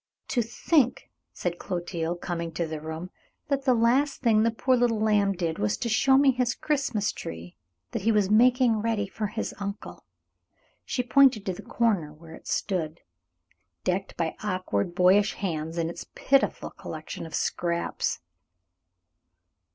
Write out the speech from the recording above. "To think," said Clotilde, coming into the room, "that the last thing the poor little lamb did was to show me his Christmas tree that he was making ready for his uncle!" She pointed to the corner where it stood, decked by awkward boyish hands in its pitiful collection of scraps.